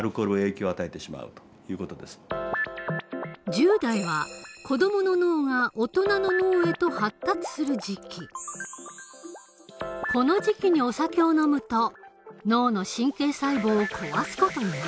１０代は子どもの脳が大人の脳へとこの時期にお酒を飲むと脳の神経細胞を壊す事になる。